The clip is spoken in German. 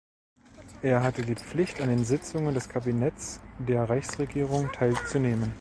Er hatte die Pflicht, an den Sitzungen des Kabinetts der Reichsregierung teilzunehmen.